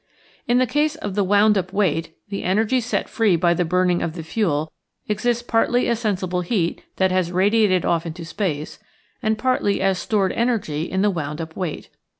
In the case of the wound up weight the energy set free by the burning of the fuel exists partly as sensible heat that has radiated off into space and partly as stored energy in the wound up weight.